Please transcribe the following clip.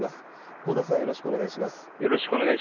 香田さん、よろしくお願いします。